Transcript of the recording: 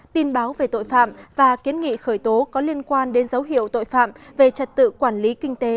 tin báo về tội phạm và kiến nghị khởi tố có liên quan đến dấu hiệu tội phạm về trật tự quản lý kinh tế